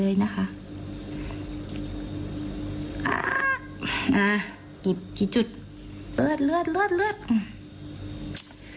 ใจเยอะ